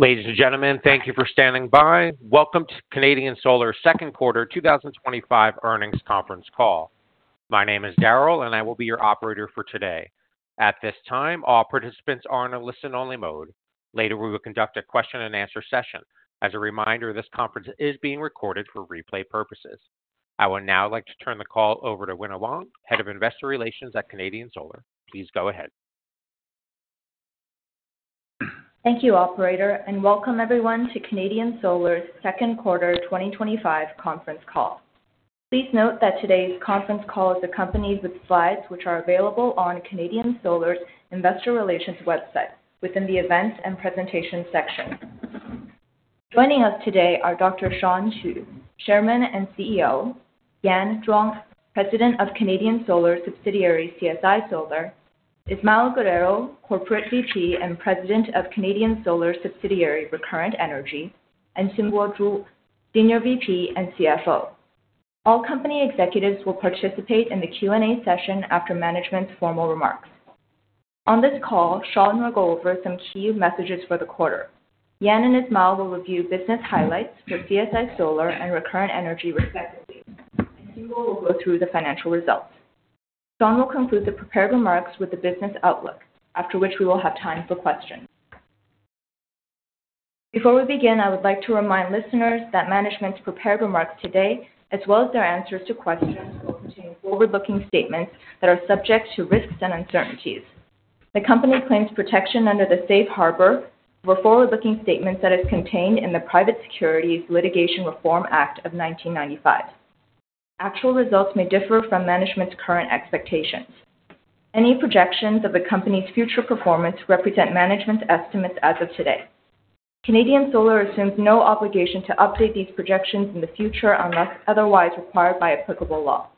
Ladies and gentlemen, thank you for standing by. Welcome to the Canadian Solar Second Quarter 2025 Earnings Conference Call. My name is Darrell, and I will be your operator for today. At this time, all participants are in a listen-only mode. Later, we will conduct a question-and-answer session. As a reminder, this conference is being recorded for replay purposes. I would now like to turn the call over to Wina Huang, Head of Investor Relations at Canadian Solar. Please go ahead. Thank you, Operator, and welcome everyone to Canadian Solar's Second Quarter 2025 Conference Call. Please note that today's conference call is accompanied with slides, which are available on Canadian Solar's Investor Relations website within the Events and Presentations section. Joining us today are Dr. Shawn Qu, Chairman and CEO; Yan Zhuang, President of Canadian Solar's subsidiary CSI Solar; Ismael Guerrero, Corporate Vice President and President of Canadian Solar's subsidiary Recurrent Energy; and Xinbo Zhu, Senior Vice President and CFO. All company executives will participate in the Q&A session after management's formal remarks. On this call, Shawn will go over some key messages for the quarter. Yan and Ismael will review business highlights for CSI Solar and Recurrent Energy respectively, and Xinbo will go through the financial results. Shawn will conclude the prepared remarks with the business outlook, after which we will have time for questions. Before we begin, I would like to remind listeners that management's prepared remarks today, as well as their answers to questions, contain forward-looking statements that are subject to risks and uncertainties. The company claims protection under the Safe Harbor of a forward-looking statement that is contained in the Private Securities Litigation Reform Act of 1995. Actual results may differ from management's current expectations. Any projections of the company's future performance represent management's estimates as of today. Canadian Solar assumes no obligation to update these projections in the future unless otherwise required by applicable law.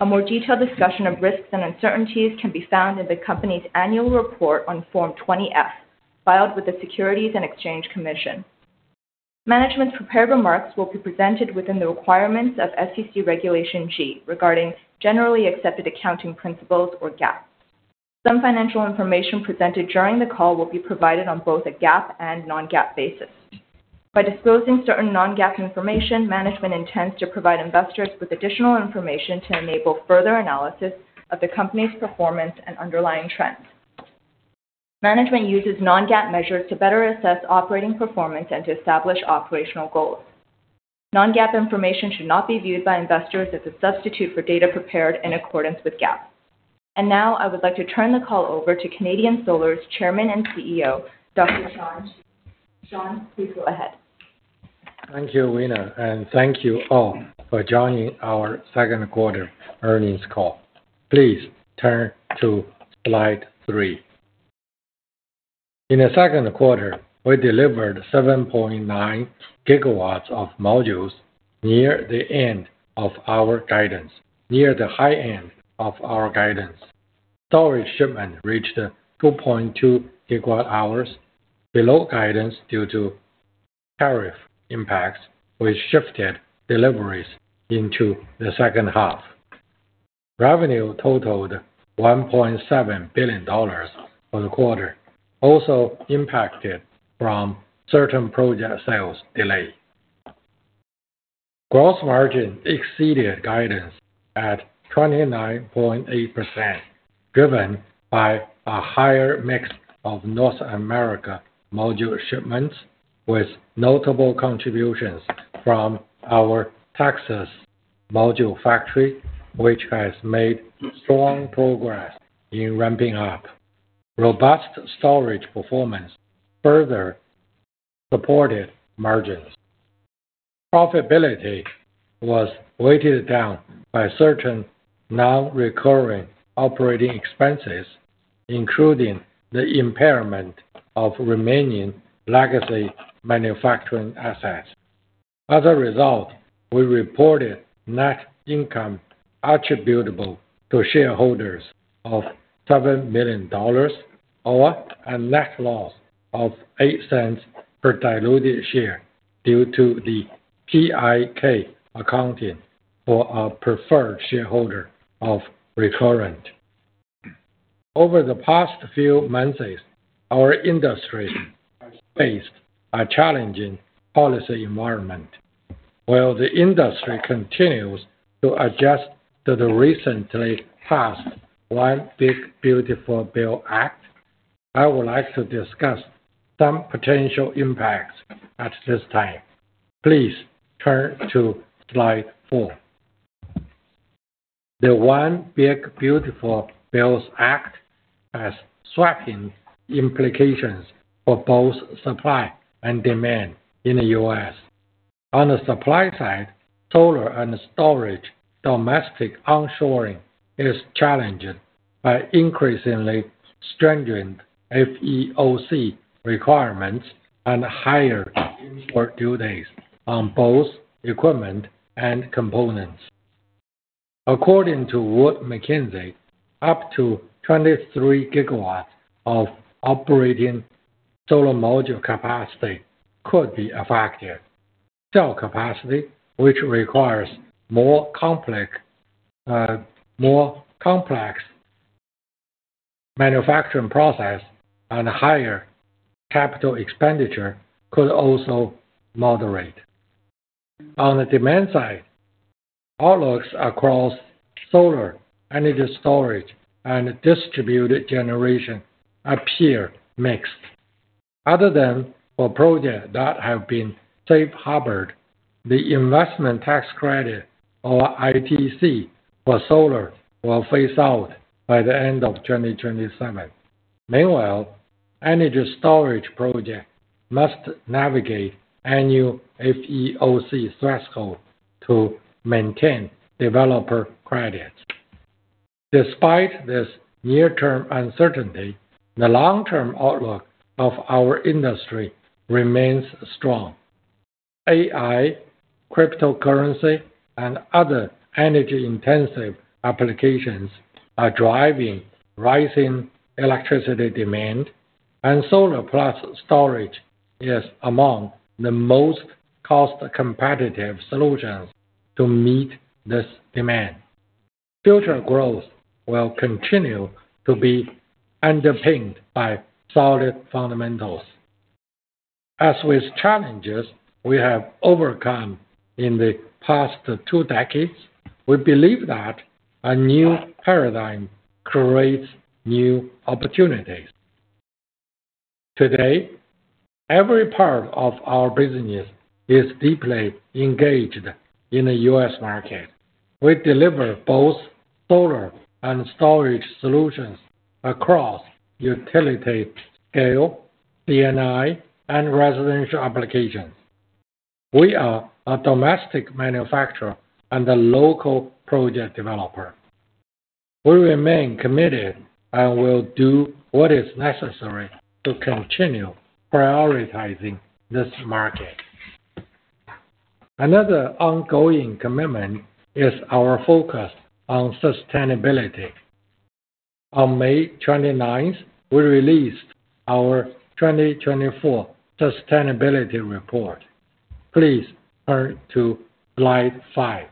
A more detailed discussion of risks and uncertainties can be found in the company's annual report on Form 20-F, filed with the Securities and Exchange Commission. Management's prepared remarks will be presented within the requirements of SEC Regulation G regarding Generally Accepted Accounting Principles or GAAP.Some financial information presented during the call will be provided on both a GAAP and non-GAAP basis. By disclosing certain non-GAAP information, management intends to provide investors with additional information to enable further analysis of the company's performance and underlying trends. Management uses non-GAAP measures to better assess operating performance and to establish operational goals. Non-GAAP information should not be viewed by investors as a substitute for data prepared in accordance with GAAP. I would like to turn the call over to Canadian Solar's Chairman and CEO, Dr. Shawn Qu. Shawn, please go ahead. Thank you, Wina, and thank you all for joining our Second Quarter Earnings Call. Please turn to Slide 3. In the second quarter, we delivered 7.9 GW of modules near the end of our guidance. Near the high end of our guidance, storage shipment reached 2.2 GWh below guidance due to tariff impacts, which shifted deliveries into the second half. Revenue totaled $1.7 billion for the quarter, also impacted from certain project sales delays. Gross margin exceeded guidance at 29.8%, driven by a higher mix of North America module shipments, with notable contributions from our Texas module factory, which has made strong progress in ramping up. Robust storage performance further supported margins. Profitability was weighted down by certain non-recurring operating expenses, including the impairment of remaining legacy manufacturing assets. As a result, we reported net income attributable to shareholders of $7 million or a net loss of $0.08 per diluted share due to the PIK accounting for a preferred shareholder of Recurrent Energy. Over the past few months, our industry faced a challenging policy environment. While the industry continues to adjust to the recently passed One Big Beautiful Bill Act, I would like to discuss some potential impacts at this time. Please turn to Slide 4. The One Big Beautiful Bill Act has swept implications for both supply and demand in the U.S. On the supply side, solar and storage domestic onshoring is challenged by increasingly stringent FEOC requirements and higher workloads on both equipment and components. According to Wood McKinsey, up to 23 GW of operating solar module capacity could be affected. Cell capacity, which requires a more complex manufacturing process and higher capital expenditure, could also moderate. On the demand side, outlooks across solar energy storage and distributed generation appear mixed. Other than for projects that have been safe-harbored, the investment tax credit or ITC for solar will phase out by the end of 2027. Meanwhile, energy storage projects must navigate annual FEOC thresholds to maintain developer credits. Despite this near-term uncertainty, the long-term outlook of our industry remains strong. AI, cryptocurrency, and other energy-intensive applications are driving rising electricity demand, and solar plus storage is among the most cost-competitive solutions to meet this demand. Future growth will continue to be underpinned by solid fundamentals. As with challenges we have overcome in the past two decades, we believe that a new paradigm creates new opportunities. Today, every part of our business is deeply engaged in the U.S. market. We deliver both solar and storage solutions across utility scale, CNI, and residential applications. We are a domestic manufacturer and a local project developer. We remain committed and will do what is necessary to continue prioritizing this market. Another ongoing commitment is our focus on sustainability. On May 29, we released our 2024 Sustainability Report. Please turn to Slide 5.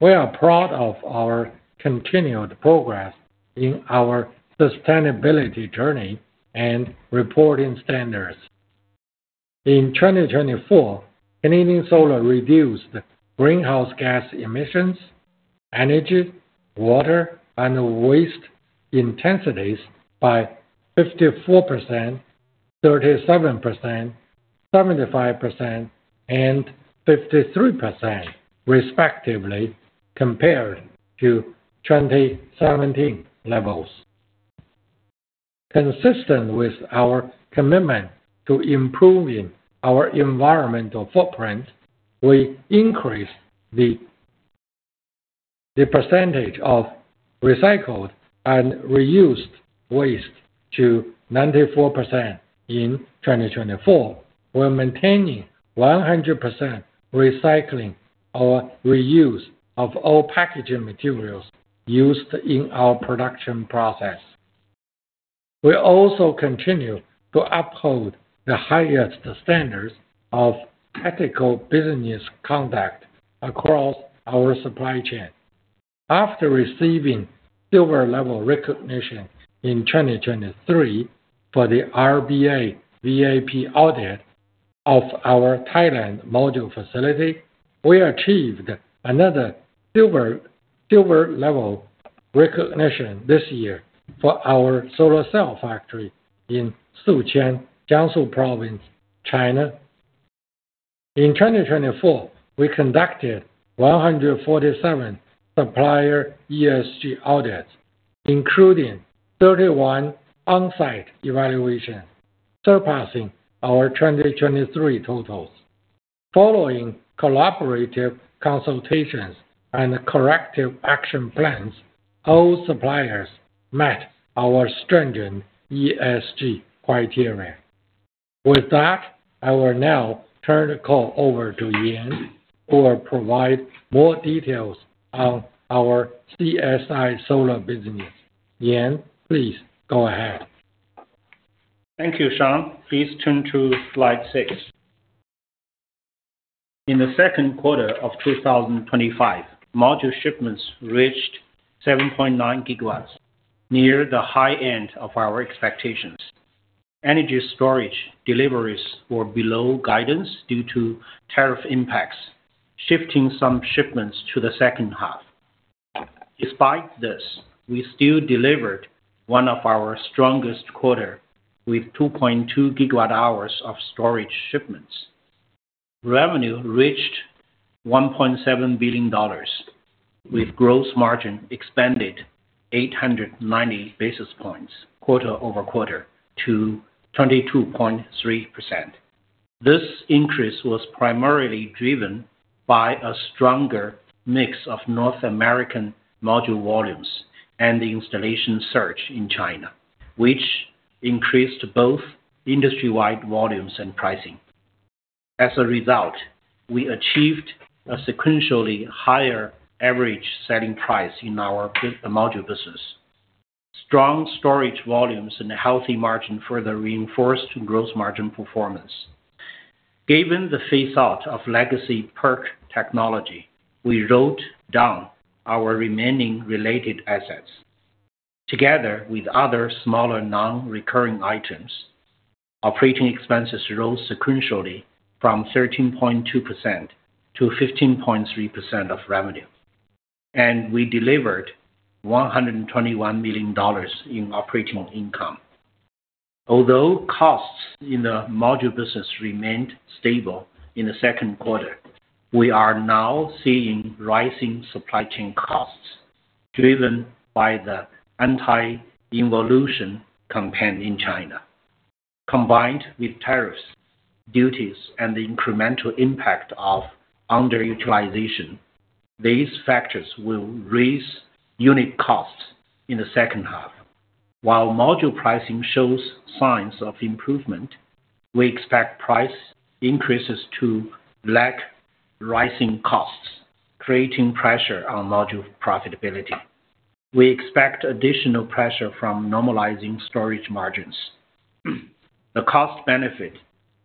We are proud of our continued progress in our sustainability journey and reporting standards. In 2024, Canadian Solar reduced greenhouse gas emissions, energy, water, and waste intensities by 54%, 37%, 75%, and 53%, respectively, compared to 2017 levels. Consistent with our commitment to improving our environmental footprint, we increased the percentage of recycled and reused waste to 94% in 2024, while maintaining 100% recycling or reuse of all packaging materials used in our production process. We also continue to uphold the highest standards of ethical business conduct across our supply chain. After receiving silver-level recognition in 2023 for the RBA VAP audit of our Thailand module facility, we achieved another silver-level recognition this year for our solar cell factory in Suzhou, Jiangsu Province, China. In 2024, we conducted 147 supplier ESG audits, including 31 on-site evaluations, surpassing our 2023 totals. Following collaborative consultations and corrective action plans, all suppliers met our stringent ESG criteria. With that, I will now turn the call over to Yan, who will provide more details on our CSI Solar business. Yan, please go ahead. Thank you, Shawn. Please turn to Slide 6. In the second quarter of 2025, module shipments reached 7.9 GW, near the high end of our expectations. Energy storage deliveries were below guidance due to tariff impacts, shifting some shipments to the second half. Despite this, we still delivered one of our strongest quarters with 2.2 GWh of storage shipments. Revenue reached $1.7 billion, with gross margin expanded 890 basis points quarter-over-quarter to 22.3%. This increase was primarily driven by a stronger mix of North American module volumes and the installation surge in China, which increased both industry-wide volumes and pricing. As a result, we achieved a sequentially higher average selling price in our module business. Strong storage volumes and a healthy margin further reinforced gross margin performance. Given the phase-out of legacy PERC technology, we wrote down our remaining related assets. Together with other smaller non-recurring items, operating expenses rose sequentially from 13.2% to 15.3% of revenue, and we delivered $121 million in operating income. Although costs in the module business remained stable in the second quarter, we are now seeing rising supply chain costs driven by the anti-involution campaign in China. Combined with tariffs, duties, and the incremental impact of underutilization, these factors will raise unit costs in the second half. While module pricing shows signs of improvement, we expect price increases to lag rising costs, creating pressure on module profitability. We expect additional pressure from normalizing storage margins. The cost benefit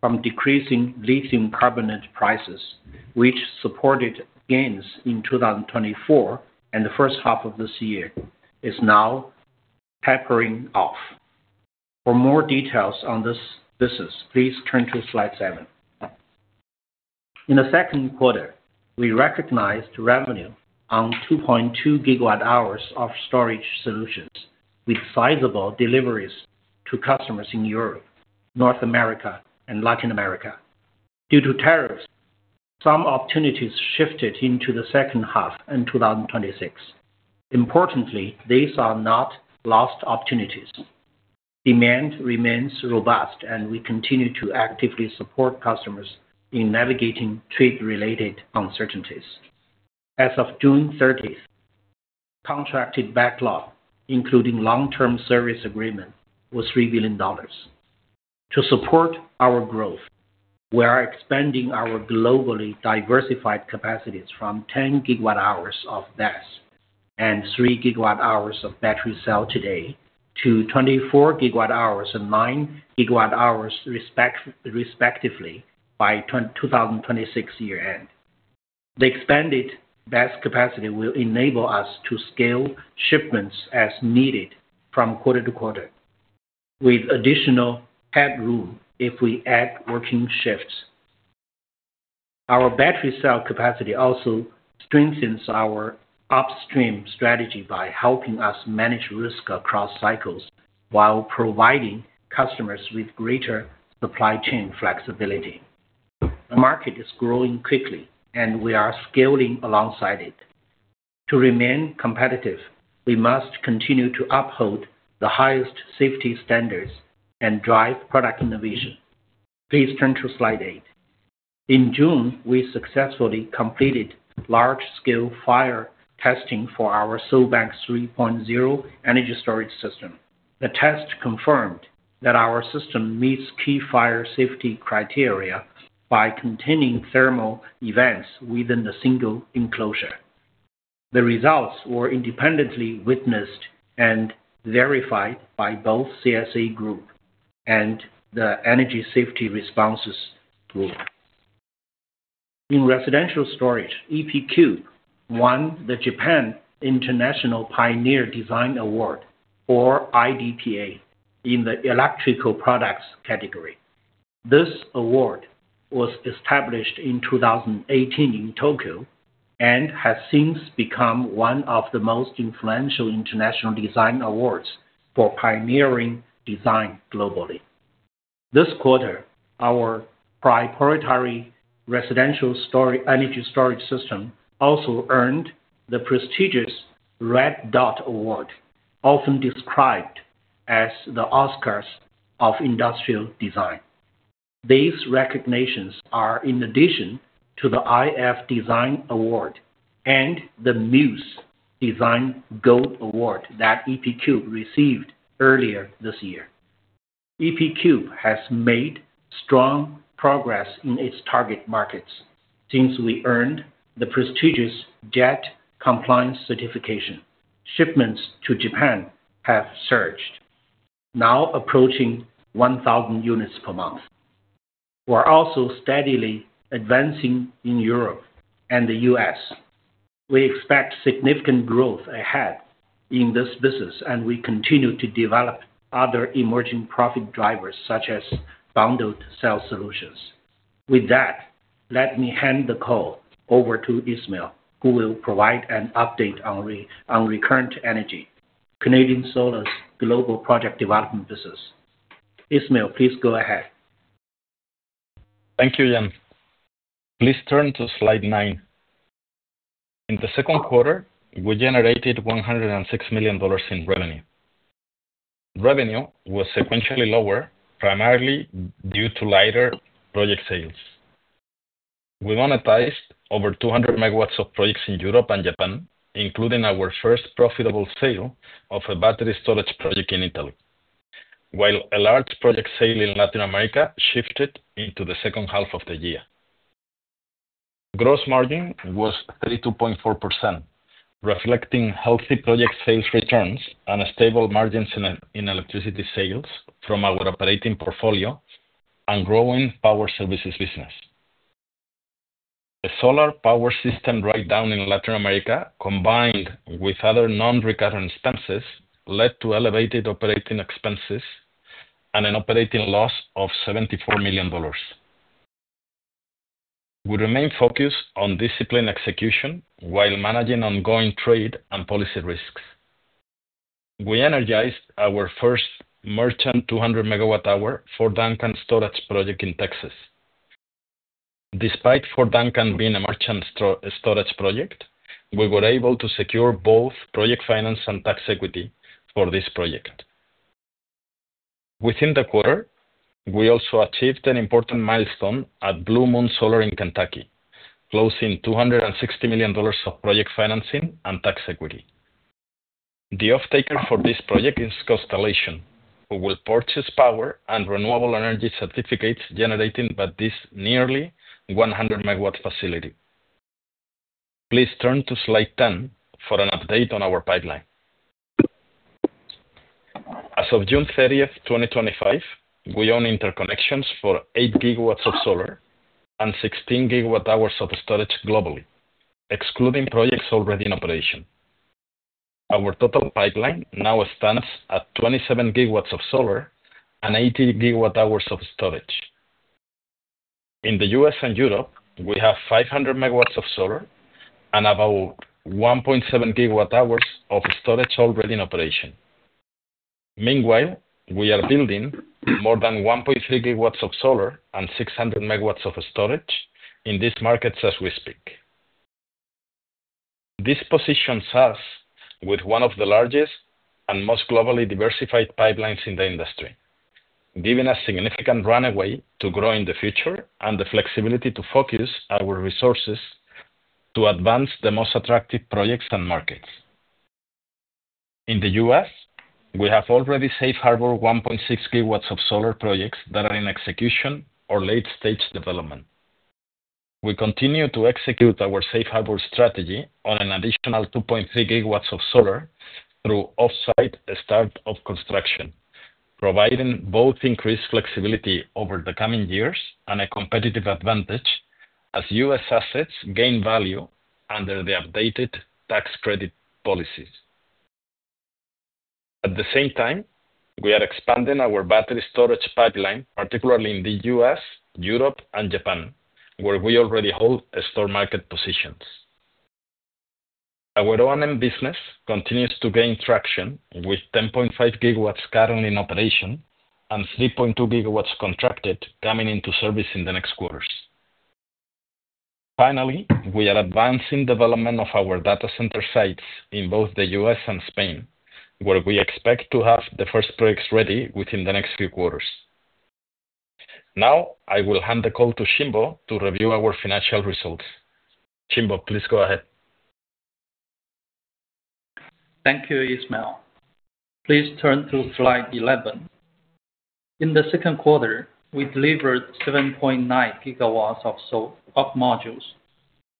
from decreasing lithium carbonate prices, which supported gains in 2024 and the first half of this year, is now tapering off. For more details on this business, please turn to Slide 7. In the second quarter, we recognized revenue on 2.2 GWh of storage solutions, with sizable deliveries to customers in Europe, North America, and Latin America. Due to tariffs, some opportunities shifted into the second half in 2026. Importantly, these are not lost opportunities. Demand remains robust, and we continue to actively support customers in navigating trade-related uncertainties. As of June 30, contracted backlog, including long-term service agreements, was $3 billion. To support our growth, we are expanding our globally diversified capacities from 10 GWh of DACs and 3 GWh of battery cells today to 24 GWh and 9 GWh, respectively, by the 2026 year-end. The expanded DAC capacity will enable us to scale shipments as needed from quarter-to-quarter, with additional headroom if we add working shifts. Our battery cell capacity also strengthens our upstream strategy by helping us manage risk across cycles while providing customers with greater supply chain flexibility. The market is growing quickly, and we are scaling alongside it. To remain competitive, we must continue to uphold the highest safety standards and drive product innovation. Please turn to Slide 8. In June, we successfully completed large-scale fire testing for our Solbank 3.0 energy storage system. The test confirmed that our system meets key fire safety criteria by containing thermal events within the single enclosure. The results were independently witnessed and verified by both CSA Group and the Energy Safety Responses Group. In residential storage, EPQ won the Japan International Pioneer Design Award, or IDPA, in the Electrical Products category. This award was established in 2018 in Tokyo and has since become one of the most influential international design awards for pioneering design globally. This quarter, our proprietary residential energy storage system also earned the prestigious Red Dot Award, often described as the Oscars of industrial design. These recognitions are in addition to the IF Design Award and the MUSE Design Gold Award that EPQ received earlier this year. EPQ has made strong progress in its target markets since we earned the prestigious JET compliance certification. Shipments to Japan have surged, now approaching 1,000 units per month. We are also steadily advancing in Europe and the U.S. We expect significant growth ahead in this business, and we continue to develop other emerging profit drivers, such as bundled cell solutions. With that, let me hand the call over to Ismael, who will provide an update on Recurrent Energy, Canadian Solar's global project development business. Ismael, please go ahead. Thank you, Yan. Please turn to Slide 9. In the second quarter, we generated $106 million in revenue. Revenue was sequentially lower, primarily due to lighter project sales. We monetized over 200 MW of projects in Europe and Japan, including our first profitable sale of a battery storage project in Italy, while a large project sale in Latin America shifted into the second half of the year. Gross margin was 32.4%, reflecting healthy project sales returns and stable margins in electricity sales from our operating portfolio and growing power services business. The solar power system breakdown in Latin America, combined with other non-recurring expenses, led to elevated operating expenses and an operating loss of $74 million. We remain focused on disciplined execution while managing ongoing trade and policy risks. We energized our first merchant 200 MWh Duncan Storage project in Texas. Despite Duncan being a merchant storage project, we were able to secure both project finance and tax equity for this project. Within the quarter, we also achieved an important milestone at Blue Moon Solar in Kentucky, closing $260 million of project financing and tax equity. The off-taker for this project is Constellation, who will purchase power and renewable energy certificates generated at this nearly 100 MW facility. Please turn to Slide 10 for an update on our pipeline. As of June 30, 2025, we own interconnections for 8 GW of solar and 16 GWh of storage globally, excluding projects already in operation. Our total pipeline now stands at 27 GW of solar and 80 GWh of storage. In the U.S. and Europe, we have 500 MW of solar and about 1.7 GWh of storage already in operation. Meanwhile, we are building more than 1.3 GW of solar and 600 MW of storage in these markets as we speak. This positions us with one of the largest and most globally diversified pipelines in the industry, giving us significant runway to grow in the future and the flexibility to focus our resources to advance the most attractive projects and markets. In the U.S., we have already safe-harbored 1.6 GW of solar projects that are in execution or late-stage development. We continue to execute our safe-harbor strategy on an additional 2.3 GW of solar through offsite start of construction, providing both increased flexibility over the coming years and a competitive advantage as U.S. assets gain value under the updated tax credit policies. At the same time, we are expanding our battery storage pipeline, particularly in the U.S., Europe, and Japan, where we already hold strong market positions. Our O&M business continues to gain traction, with 10.5 GW currently in operation and 3.2 GW contracted coming into service in the next quarters. Finally, we are advancing the development of our data center sites in both the U.S. and Spain, where we expect to have the first projects ready within the next few quarters. Now, I will hand the call to Xinbo to review our financial results. Xinbo, please go ahead. Thank you, Ismael. Please turn to Slide 11. In the second quarter, we delivered 7.9 GW of modules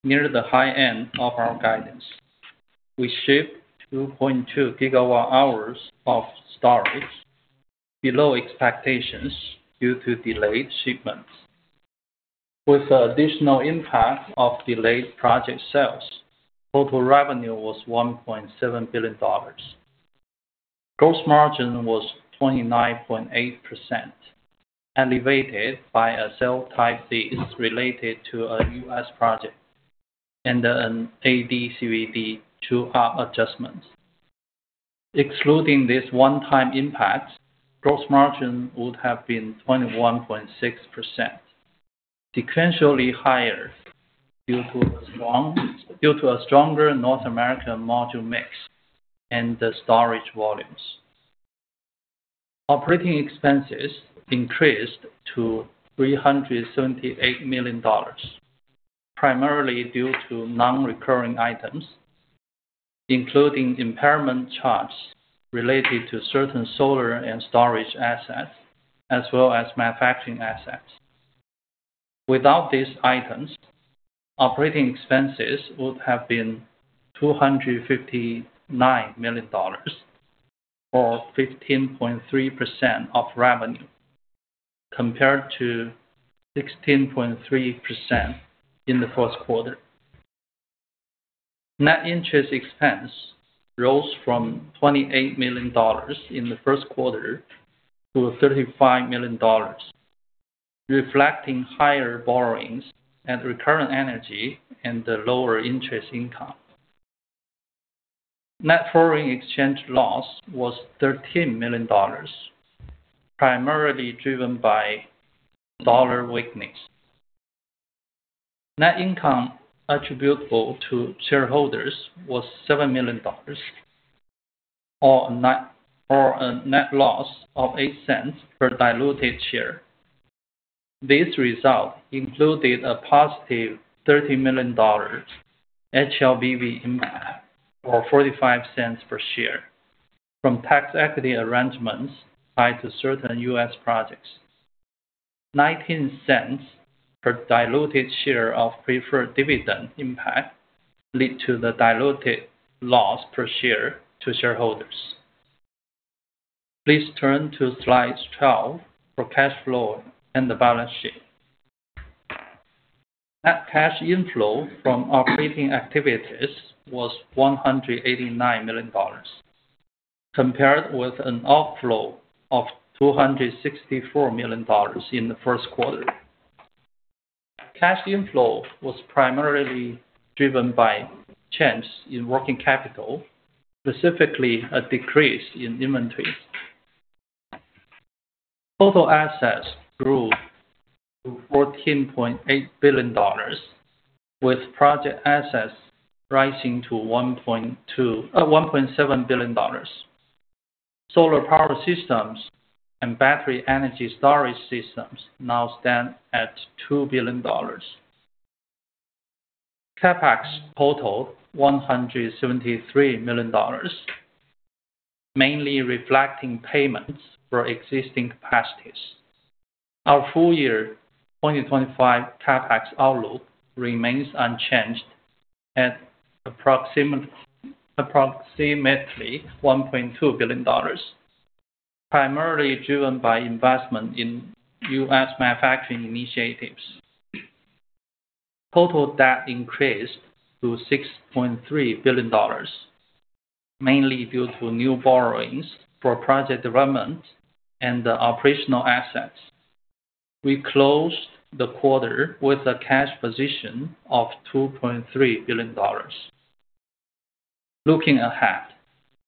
near the high end of our guidance. We shipped 2.2 GWh of storage below expectations due to delayed shipments. With the additional impact of delayed project sales, total revenue was $1.7 billion. Gross margin was 29.8%, elevated by a cell type that is related to a U.S. project and an AD/CVD two-up adjustment. Excluding this one-time impact, gross margin would have been 21.6%, sequentially higher due to a stronger North American module mix and the storage volumes. Operating expenses increased to $378 million, primarily due to non-recurring items, including impairment charges related to certain solar and storage assets, as well as manufacturing assets. Without these items, operating expenses would have been $259 million, or 15.3% of revenue, compared to 16.3% in the first quarter. Net interest expense rose from $28 million in the first quarter to $35 million, reflecting higher borrowings in Recurrent Energy and the lower interest income. Net foreign exchange loss was $13 million, primarily driven by dollar weakness. Net income attributable to shareholders was $7 million, or a net loss of $0.08 per diluted share. This result included a positive $30 million HLBV impact, or $0.45 per share from tax equity arrangements tied to certain U.S. projects. $0.19 per diluted share of preferred dividend impact led to the diluted loss per share to shareholders. Please turn to Slide 12 for cash flow and the balance sheet. Net cash inflow from operating activities was $189 million, compared with an outflow of $264 million in the first quarter. Cash inflow was primarily driven by change in working capital, specifically a decrease in inventories. Total assets grew to $14.8 billion, with project assets rising to $1.7 billion. Solar power systems and battery energy storage systems now stand at $2 billion. CapEx totaled $173 million, mainly reflecting payments for existing capacities. Our full-year 2025 CapEx outlook remains unchanged at approximately $1.2 billion, primarily driven by investment in U.S. manufacturing initiatives. Total debt increased to $6.3 billion, mainly due to new borrowings for project development and the operational assets. We closed the quarter with a cash position of $2.3 billion. Looking ahead,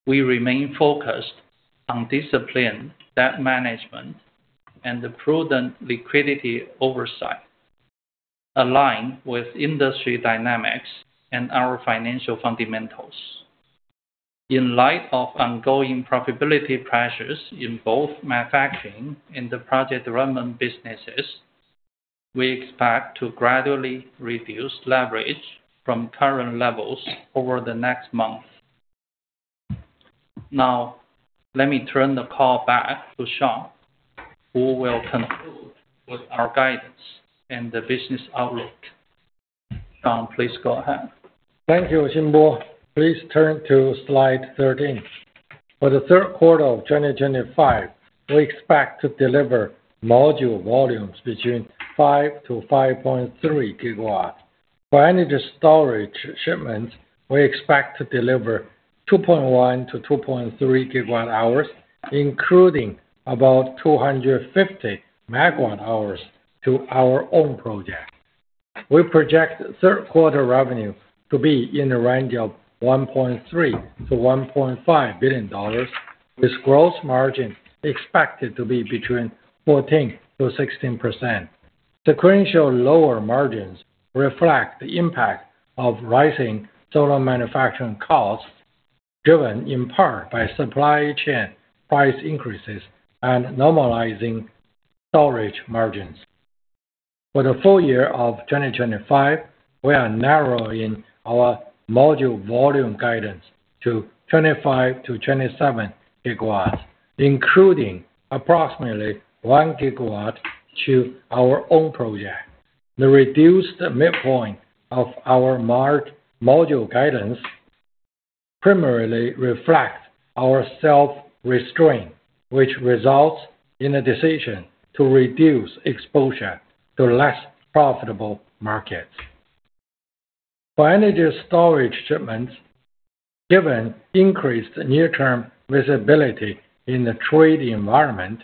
we remain focused on disciplined debt management and prudent liquidity oversight, aligned with industry dynamics and our financial fundamentals. In light of ongoing profitability pressures in both manufacturing and the project development businesses, we expect to gradually reduce leverage from current levels over the next month. Now, let me turn the call back to Shawn, who will conclude with our guidance and the business outlook. Shawn, please go ahead. Thank you, Xinbo. Please turn to Slide 13. For the third quarter of 2025, we expect to deliver module volumes between 5 GW-5.3 GW. For energy storage shipments, we expect to deliver 2.1 GWh-2.3 GWh, including about 250 MWh to our own projects. We project third-quarter revenue to be in the range of $1.3 billion-$1.5 billion, with gross margin expected to be between 14%-16%. Sequential lower margins reflect the impact of rising solar manufacturing costs, driven in part by supply chain price increases and normalizing storage margins. For the full year of 2025, we are narrowing our module volume guidance to 25 GW-27 GW, including approximately 1 GW to our own projects. The reduced midpoint of our module guidance primarily reflects our self-restraint, which results in a decision to reduce exposure to less profitable markets. For energy storage shipments, given increased near-term visibility in the trade environment,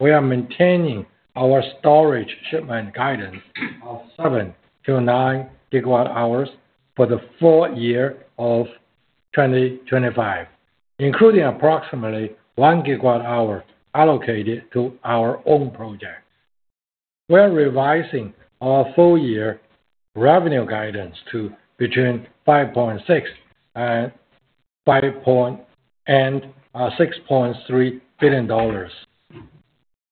we are maintaining our storage shipment guidance of 7 GWh-9 GWh for the full year of 2025, including approximately 1 GWh allocated to our own projects. We are revising our full-year revenue guidance to between $5.6 billion-$6.3 billion.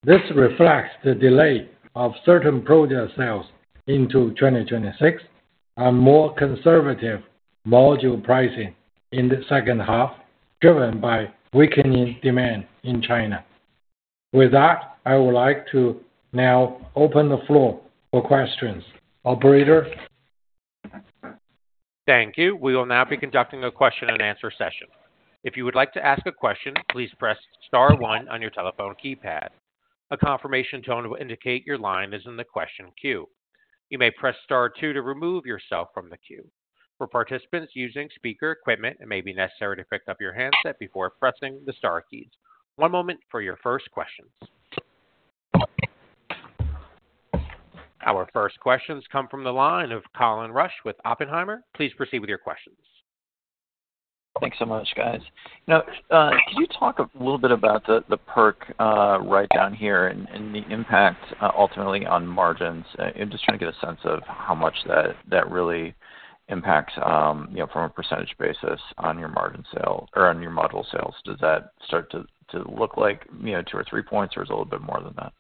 This reflects the delay of certain project sales into 2026 and more conservative module pricing in the second half, driven by weakening demand in China. With that, I would like to now open the floor for questions. Operator? Thank you. We will now be conducting a question-and-answer session. If you would like to ask a question, please press star one on your telephone keypad. A confirmation tone will indicate your line is in the question queue. You may press star two to remove yourself from the queue. For participants using speaker equipment, it may be necessary to pick up your handset before pressing the star keys. One moment for your first questions. Our first questions come from the line of Colin Rusch with Oppenheimer. Please proceed with your questions. Thanks so much, guys. Could you talk a little bit about the PERC write-down here and the impact ultimately on margins? I'm just trying to get a sense of how much that really impacts, from a percentage basis on your margin sale or on your module sales. Does that start to look like two or three points or is it a little bit more than that?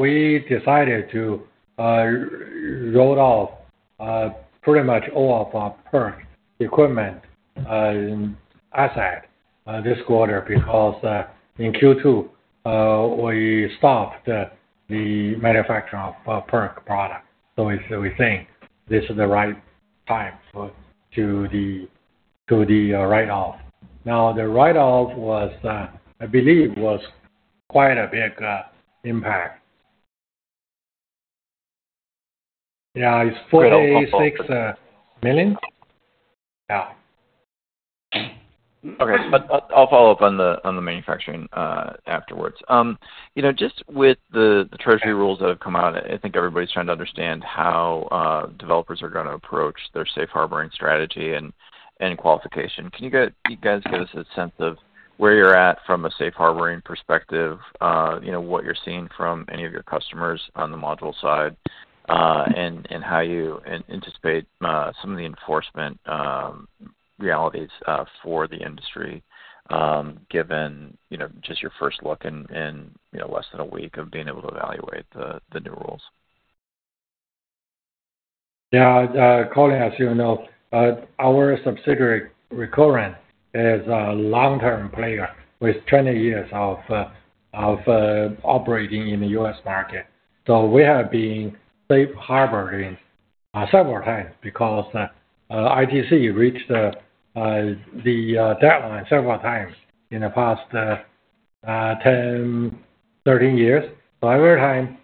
We decided to roll off, pretty much roll off our PERC equipment asset this quarter because in Q2, we stopped the manufacturing of PERC products. We think this is the right time for the write-off. The write-off was, I believe, was quite a big impact. Yeah, it's $4.86 million. Okay. I'll follow up on the manufacturing afterwards. Just with the Treasury rules that have come out, I think everybody's trying to understand how developers are going to approach their safe-harboring strategy and qualification. Can you guys give us a sense of where you're at from a safe-harboring perspective, what you're seeing from any of your customers on the module side, and how you anticipate some of the enforcement realities for the industry, given just your first look in less than a week of being able to evaluate the new rules? Yeah, Colin, as you know, our subsidiary Recurrent is a long-term player with 20 years of operating in the U.S. market. We have been safe-harboring several times because ITC reached the deadline several times in the past 10, 13 years. Every time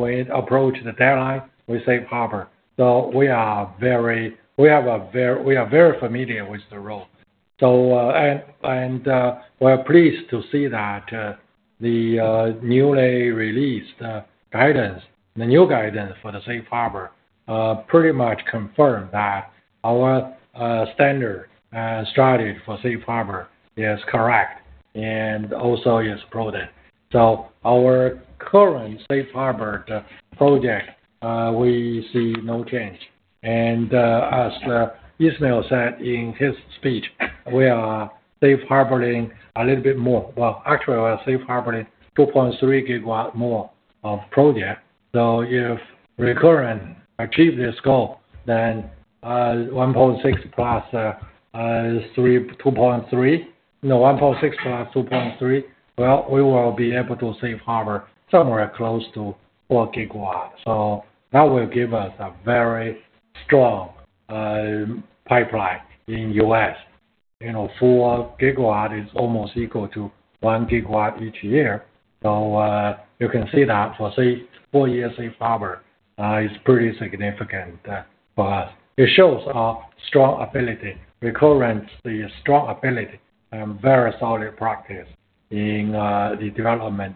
we approach the deadline, we safe-harbor. We are very familiar with the rule, and we are pleased to see that the newly released guidance, the new guidance for the safe harbor, pretty much confirmed that our standard and strategy for safe harbor is correct and also is prudent. Our current safe-harbored project, we see no change. As Ismael said in his speech, we are safe-harboring a little bit more. Actually, we are safe-harboring 2.3 GW more of projects. If Recurrent achieves this goal, then 1.6 GW plus 2.3 GW, we will be able to safe-harbor somewhere close to 4 GW. That will give us a very strong pipeline in the U.S. You know, 4 GW is almost equal to 1 GW each year. You can see that four years safe-harbor is pretty significant for us. It shows our strong ability, Recurrent's strong ability, and very solid practice in the development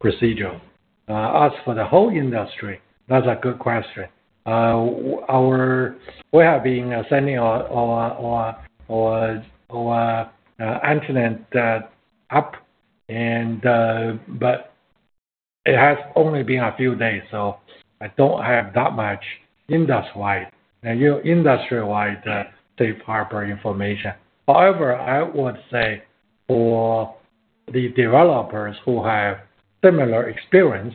procedure. As for the whole industry, that's a good question. We have been sending our antenna up, but it has only been a few days, so I don't have that much industry-wide safe-harbor information. However, I would say for the developers who have similar experience,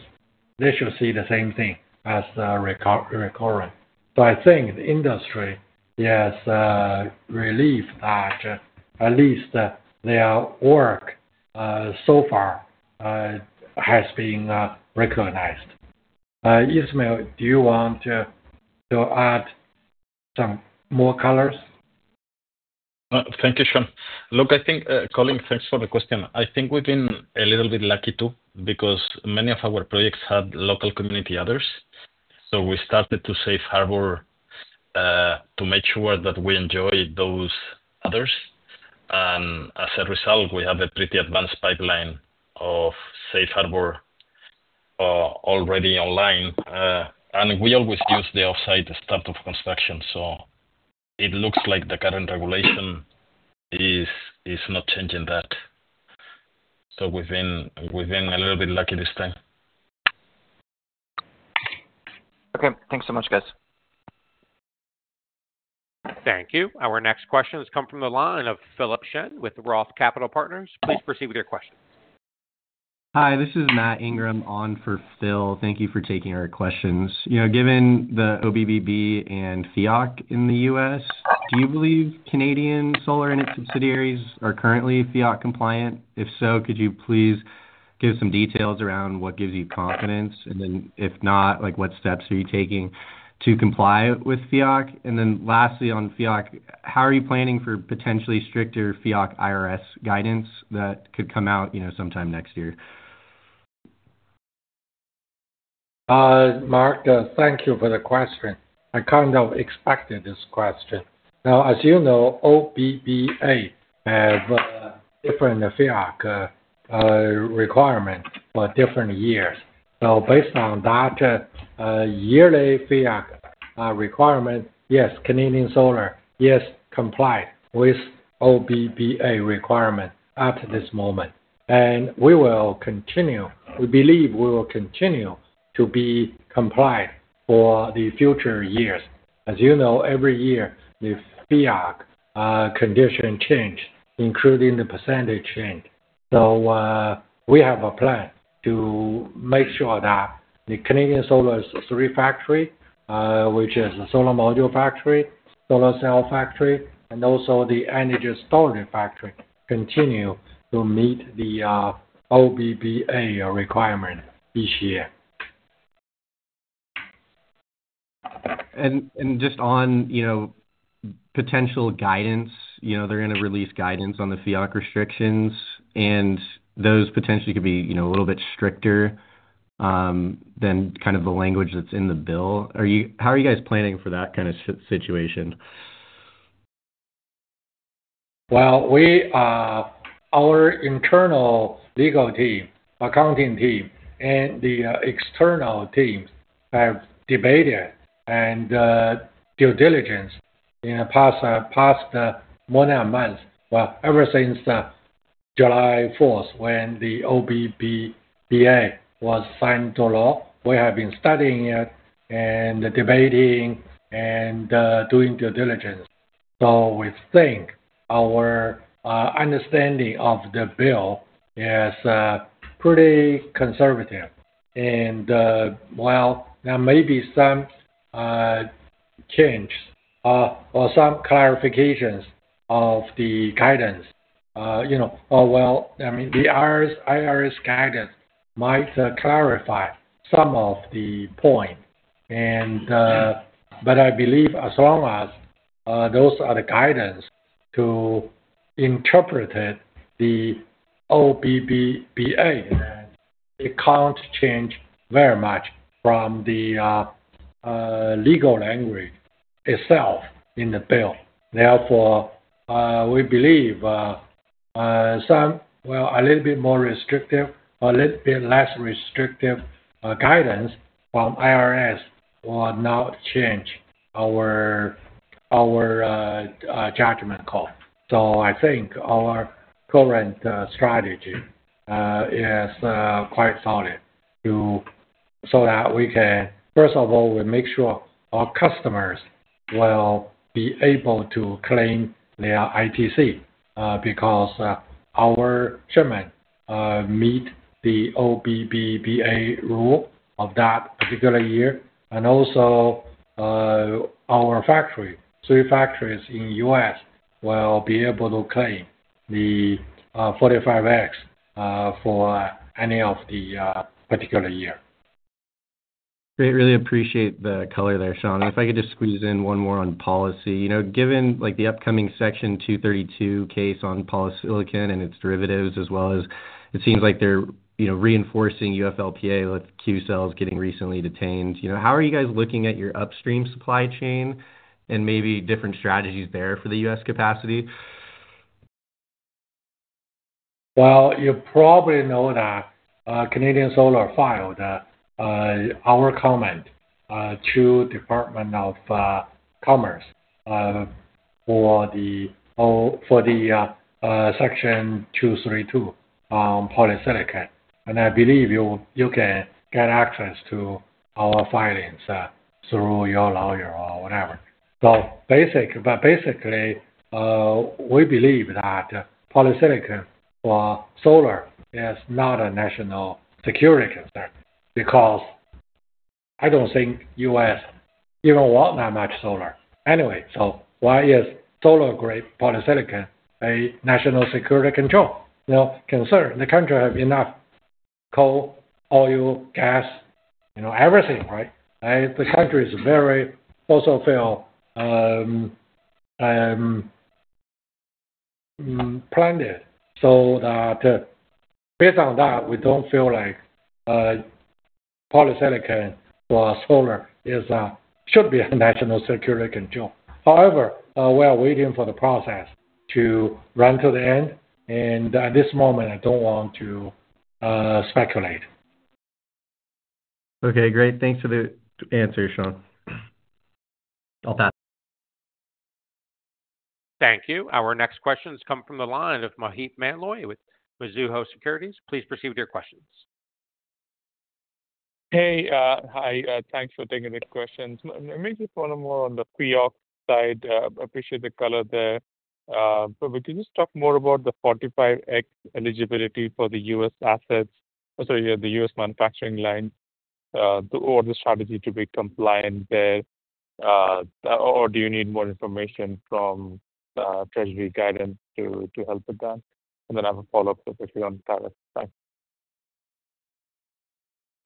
they should see the same thing as Recurrent. I think the industry is relieved that at least their work so far has been recognized. Ismael, do you want to add some more colors? Thank you, Shawn. I think, Colin, thanks for the question. I think we've been a little bit lucky too because many of our projects have local community others. We started to safe-harbor to make sure that we enjoy those others. As a result, we have a pretty advanced pipeline of safe harbor already online. We always use the offsite start of construction. It looks like the current regulation is not changing that. We've been a little bit lucky this time. Okay, thanks so much, guys. Thank you. Our next questions come from the line of Philip Shen with Roth Capital Partners. Please proceed with your question. Hi, this is Matt Ingram on for Phil. Thank you for taking our questions. Given the OBBA and FEOC in the U.S., do you believe Canadian Solar and its subsidiaries are currently FEOC compliant? If so, could you please give some details around what gives you confidence? If not, what steps are you taking to comply with FEOC? Lastly, on FEOC, how are you planning for potentially stricter FEOC IRS guidance that could come out sometime next year? Matt, thank you for the question. I kind of expected this question. As you know, OBBA has different FEOC requirements for different years. Based on that yearly FEOC requirement, yes, Canadian Solar is compliant with OBBA requirements at this moment. We believe we will continue to be compliant for the future years. As you know, every year the FEOC condition changes, including the percentage change. We have a plan to make sure that Canadian Solar's three factories, which are the solar module factory, solar cell factory, and also the energy storage factory, continue to meet the OBBA requirement each year. On potential guidance, you know, they're going to release guidance on the FEOC restrictions, and those potentially could be a little bit stricter than kind of the language that's in the bill. Are you, how are you guys planning for that kind of situation? Our internal legal team, accounting team, and the external teams have debated and done due diligence in the past more than a month. Ever since July 4, when the OBBA was signed into law, we have been studying it, debating, and doing due diligence. We think our understanding of the bill is pretty conservative. While there may be some changes or some clarifications of the guidance, the IRS guidance might clarify some of the points. I believe as long as those are the guidance to interpret the OBBA, it can't change very much from the legal language itself in the bill. Therefore, we believe a little bit more restrictive or a little bit less restrictive guidance from the IRS will not change our judgment call. I think our current strategy is quite solid so that we can, first of all, make sure our customers will be able to claim their ITC because our shipment meets the OBBA rule of that particular year. Also, our factory, three factories in the U.S., will be able to claim the 45X for any of the particular year. I really appreciate the color there, Shawn. If I could just squeeze in one more on policy, given the upcoming Section 232 case on silicon and its derivatives, as well as it seems like they're reinforcing UFLPA with Q cells getting recently detained, how are you guys looking at your upstream supply chain and maybe different strategies there for the U.S. capacity? You probably know that Canadian Solar filed our comment to the Department of Commerce for the Section 232 on polysilicon. I believe you can get access to our filings through your lawyer or whatever. Basically, we believe that polysilicon for solar is not a national security concern because I don't think the U.S. even wants that much solar anyway. Why is solar-grade polysilicon a national security control concern? The country has enough coal, oil, gas, you know, everything, right? The country is very socially planted so that based on that, we don't feel like polysilicon for solar should be a national security control. However, we are waiting for the process to run to the end. At this moment, I don't want to speculate. Okay, great. Thanks for the answer, Shawn. All done. Thank you. Our next questions come from the line of Maheep Mandloi with Mizuho Securities. Please proceed with your questions. Hi. Thanks for taking the questions. Let me just follow more on the FEOC side. I appreciate the color there. Can you just talk more about the 45X eligibility for the U.S. assets? I'm sorry, the U.S. manufacturing line, or the strategy to be compliant there? Do you need more information from Treasury guidance to help with that? I have a follow-up question on the status side.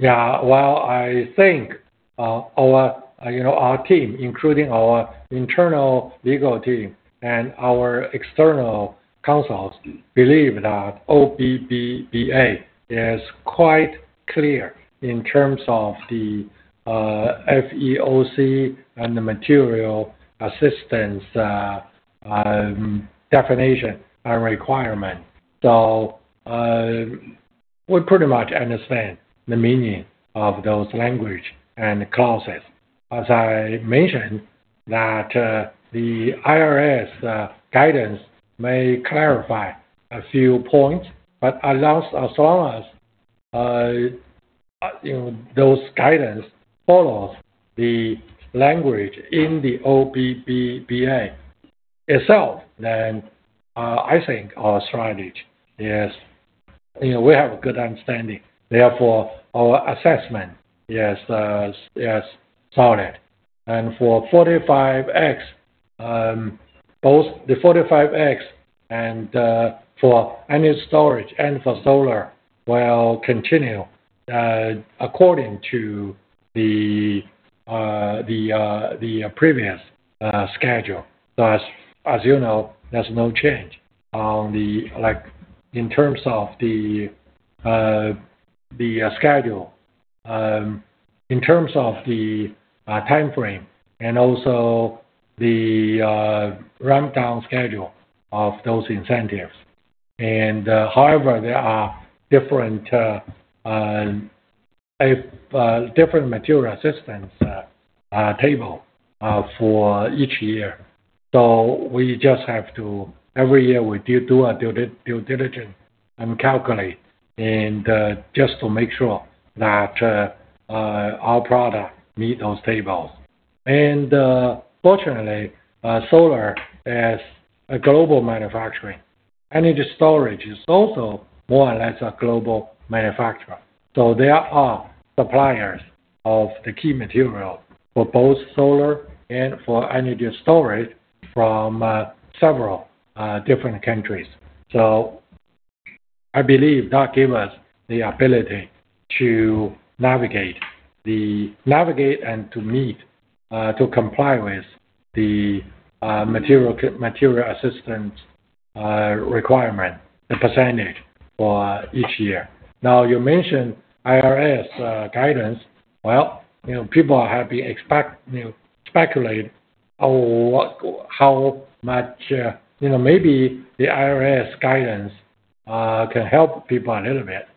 I think our team, including our internal legal team and our external consults, believe that OBBA is quite clear in terms of the FEOC and the material assistance definition and requirement. We pretty much understand the meaning of those language and clauses. As I mentioned, the IRS guidance may clarify a few points, but as long as those guidance follow the language in the OBBA itself, then I think our strategy is, you know, we have a good understanding. Therefore, our assessment is solid. For 45X, both the 45X and for any storage and for solar will continue according to the previous schedule. As you know, there's no change on the, like, in terms of the schedule, in terms of the timeframe, and also the ramp-down schedule of those incentives. However, there are different material assistance tables for each year. We just have to, every year, do our due diligence and calculate, and just to make sure that our product meets those tables. Fortunately, solar is a global manufacturing. Energy storage is also more or less a global manufacturer. There are suppliers of the key material for both solar and for energy storage from several different countries. I believe that gives us the ability to navigate and to meet, to comply with the material assistance requirement, the percentage for each year. You mentioned IRS guidance. People have been speculating, oh, how much, you know, maybe the IRS guidance can help people a little bit.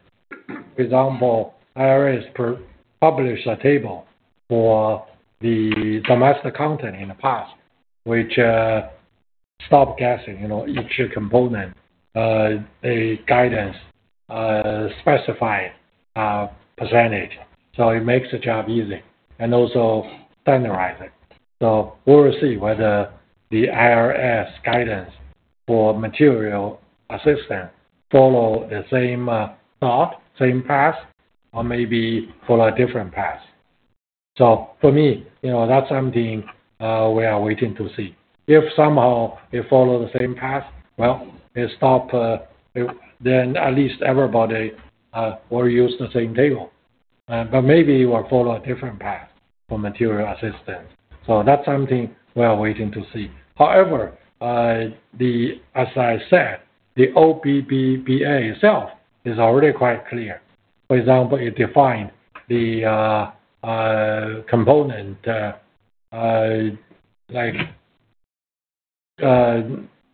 For example, IRS published a table for the domestic content in the past, which stopped guessing, you know, each component, a guidance specified percentage. It makes the job easy and also standardizes. We will see whether the IRS guidance for material assistance follows the same path or maybe follows a different path. For me, you know, that's something we are waiting to see. If somehow it follows the same path, it stopped, then at least everybody will use the same table. Maybe it will follow a different path for material assistance. That's something we are waiting to see. However, as I said, the OBBA itself is already quite clear. For example, it defined the component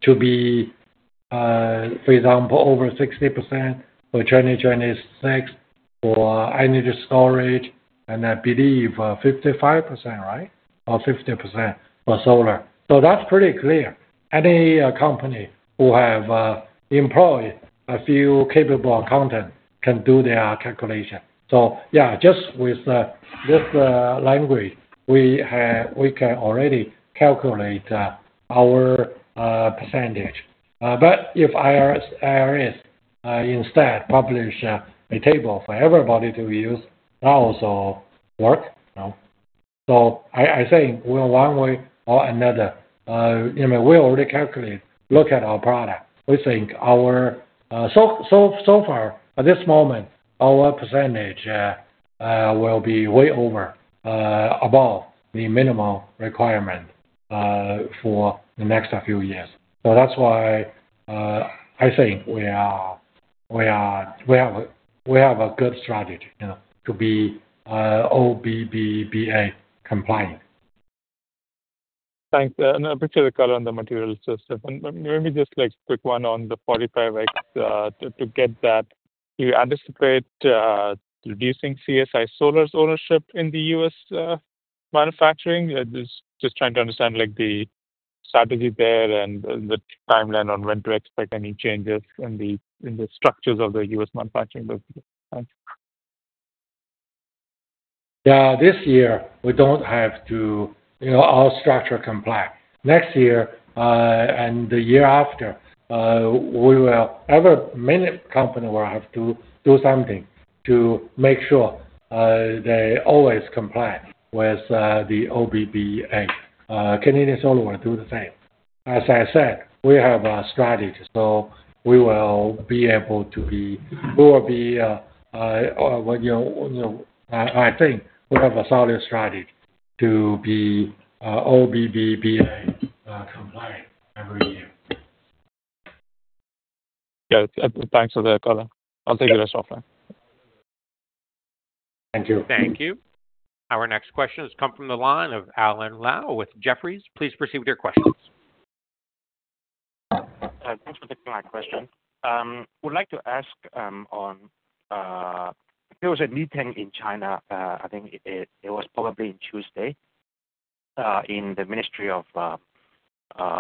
to be, for example, over 60% for 2026 for energy storage, and I believe 55%, right? Or 50% for solar. That's pretty clear. Any company who has employed a few capable accountants can do their calculation. With the language, we can already calculate our percentage. If the IRS instead publishes a table for everybody to use, that also works. One way or another, we already calculated, looked at our product. We think our percentage will be way over above the minimum requirement for the next few years. That's why I think we have a good strategy to be OBBA compliant. Thanks. I appreciate the call on the material assistance. Let me just make a quick one on the 45X to get that. Do you anticipate reducing CSI Solar's ownership in the U.S. manufacturing? I'm just trying to understand the strategy there and the timeline on when to expect any changes in the structures of the U.S. manufacturing business. Yeah, this year we don't have to, you know, our structure compliance. Next year, and the year after, we will, every minute company will have to do something to make sure they always comply with the OBBA. Canadian Solar will do the same. As I said, we have a strategy, so we will be able to be, we will be, you know, I think we have a solid strategy to be OBBA compliant every year. Yeah, thanks for that, Shawn. I'll take the rest of my time. Thank you. Our next questions come from the line of Alan Lau with Jefferies. Please proceed with your questions. Just a quick live question. We'd like to ask, there was a meeting in China. I think it was probably on Tuesday in the Ministry of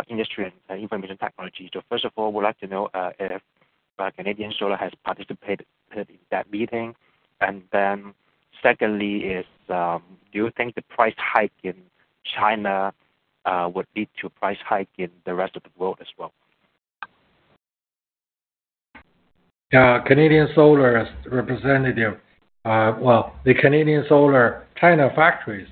Industry and Information Technology. First of all, we'd like to know if Canadian Solar has participated in that meeting. Secondly, do you think the price hike in China would lead to a price hike in the rest of the world as well? Canadian Solar's representative, the Canadian Solar China factories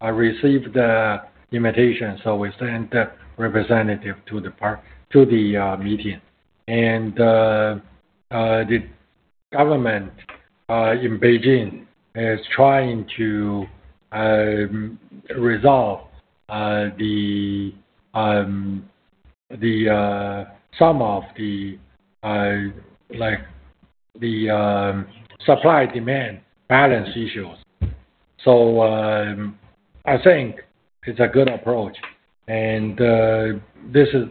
received the invitation, so we sent the representative to the meeting. The government in Beijing is trying to resolve some of the supply-demand balance issues. I think it's a good approach. This is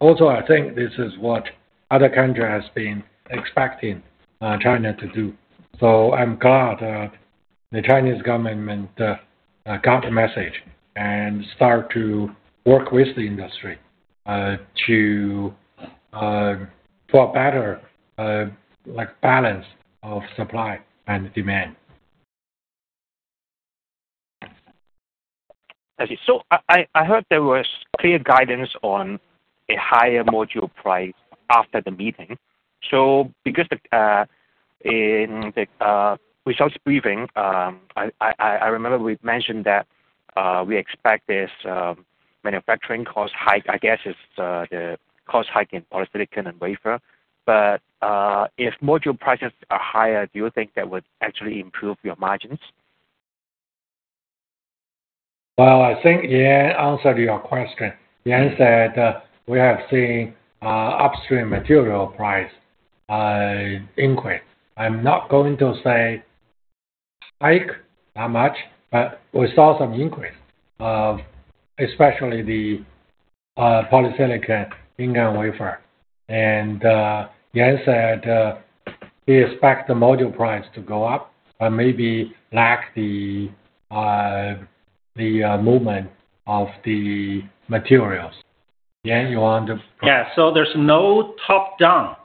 also, I think this is what other countries have been expecting China to do. I'm glad that the Chinese government got the message and started to work with the industry to a better balance of supply and demand. I see. I heard there was clear guidance on a higher module price after the meeting. In the results briefing, I remember we mentioned that we expect this manufacturing cost hike, I guess it's the cost hike in polysilicon and wafer. If module prices are higher, do you think that would actually improve your margins? I think, yeah, answer to your question, Yan said we have seen upstream material price increase. I'm not going to say hike that much, but we saw some increase, especially the polysilicon ink and wafer. Yan said he expects the module price to go up, but maybe lack the movement of the materials. Yan, you want to? Yeah, there's no top-down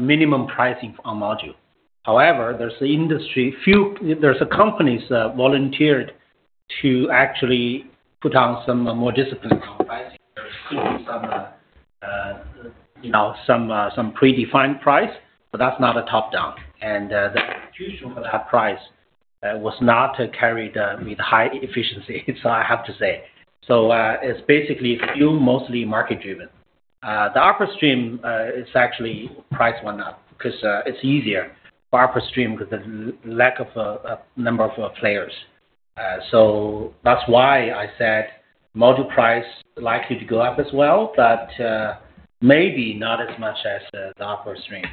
minimum pricing on module. However, there's an industry, a few, there's companies that volunteered to actually put on some more disciplined pricing, some predefined price, but that's not a top-down. That price was not carried with high efficiency, I have to say. It's basically few, mostly market-driven. The upstream is actually priced one up because it's easier for upstream because of the lack of a number of players. That's why I said module price is likely to go up as well, but maybe not as much as the upstream.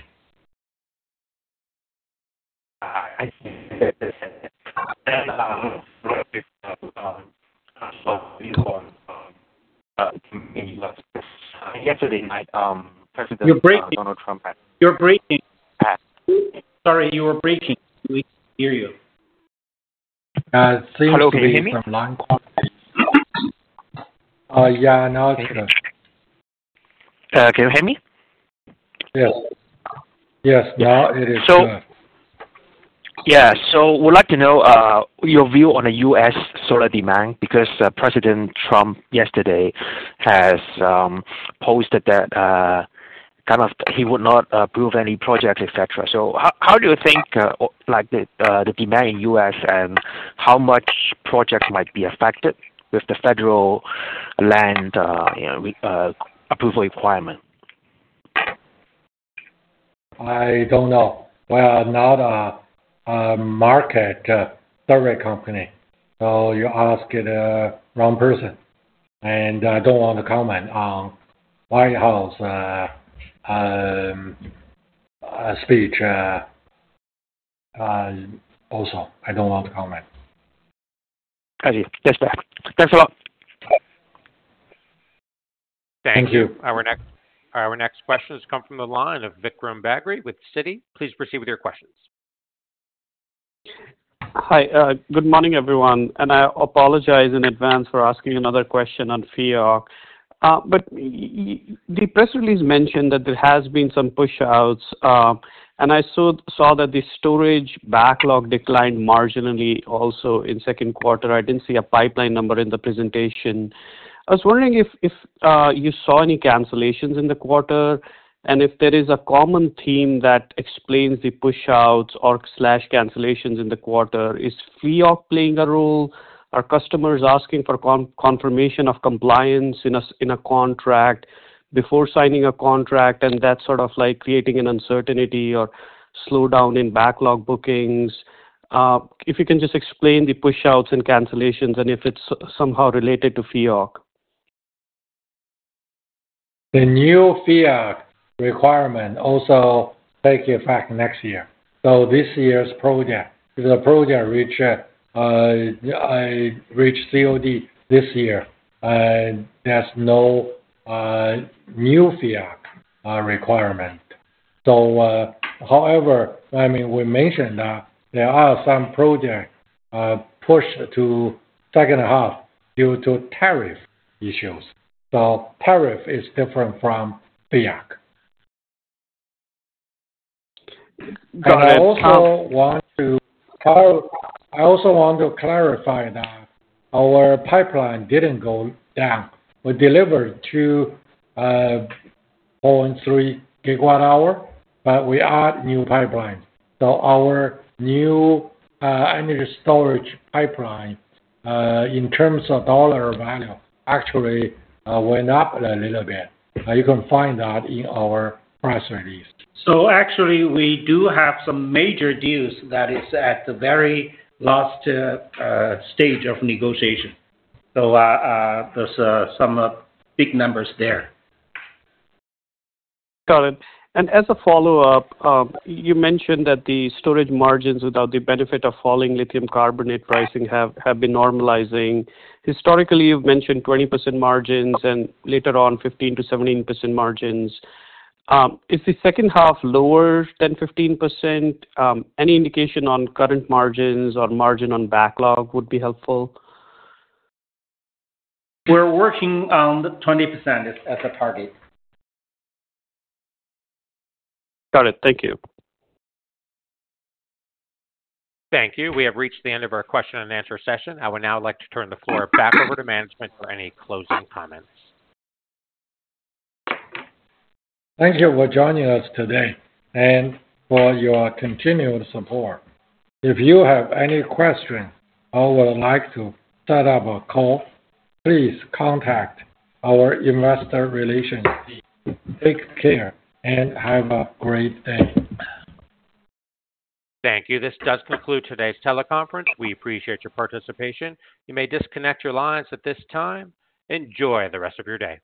Yesterday night, President Donald Trump had. You're breaking. Sorry, you were breaking. We can hear you. Hello, can you hear me? Yeah, now it's better. Can you hear me? Yes, now it is clear. Yeah, we'd like to know your view on the U.S. solar demand because President Trump yesterday has posted that kind of he would not approve any projects, etc. How do you think the demand in the U.S. and how much projects might be affected with the federal land approval requirement? I don't know. We are not a market survey company, so you asked the wrong person. I don't want to comment on White House speech. Also, I don't want to comment. I see. Yes, sir. Thanks a lot. Thank you. Our next questions come from the line of Vikram Bagri with Citi. Please proceed with your questions. Hi. Good morning, everyone. I apologize in advance for asking another question on FEOC. The press release mentioned that there have been some push-outs, and I saw that the storage backlog declined marginally also in the second quarter. I didn't see a pipeline number in the presentation. I was wondering if you saw any cancellations in the quarter, and if there is a common theme that explains the push-outs or cancellations in the quarter. Is FEOC playing a role? Are customers asking for confirmation of compliance in a contract before signing a contract, and that's sort of like creating an uncertainty or slowdown in backlog bookings? If you can just explain the push-outs and cancellations, and if it's somehow related to FEOC. The new FEOC requirement also takes effect next year. This year's project, because the project reached COD this year, there's no new FEOC requirement. However, we mentioned that there are some projects pushed to the second half due to tariff issues. Tariff is different from FEOC. I also want to clarify that our pipeline didn't go down. We delivered 2.3 GWh, but we added a new pipeline. Our new energy storage pipeline, in terms of dollar value, actually went up a little bit. You can find that in our press release. We do have some major deals that are at the very last stage of negotiation. There's some big numbers there. Got it. As a follow-up, you mentioned that the storage margins without the benefit of falling lithium carbonate pricing have been normalizing. Historically, you've mentioned 20% margins and later on 15%-17% margins. Is the second half lower than 15%? Any indication on current margins or margin on backlog would be helpful? We're working on the 20% as a target. Got it. Thank you. Thank you. We have reached the end of our question-and answer-session. I would now like to turn the floor back over to management for any closing comments. Thank you for joining us today and for your continued support. If you have any questions, I would like to set up a call. Please contact our Investor Relations. Take care and have a great day. Thank you. This does conclude today's teleconference. We appreciate your participation. You may disconnect your lines at this time. Enjoy the rest of your day.